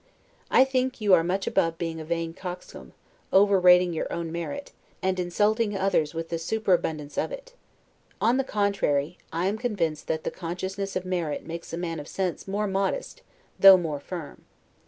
I think you are much above being a vain coxcomb, overrating your own merit, and insulting others with the superabundance of it. On the contrary, I am convinced that the consciousness of merit makes a man of sense more modest, though more firm.